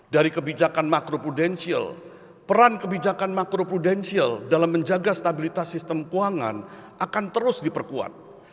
dari kebijakan makro prudensial peran kebijakan makro prudensial dalam menjaga stabilitas sistem keuangan akan terus diperkuat